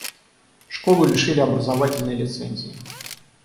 Школу лишили образовательной лицензии.